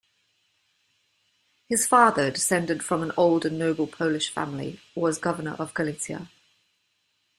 His father, descended from an old and noble Polish family, was governor of Galicia.